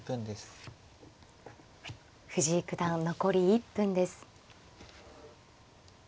藤井九段残り１分です。